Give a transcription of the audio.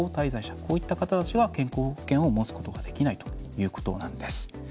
こういった方たちは健康保険を持つことができないということなんです。